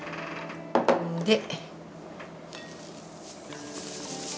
で。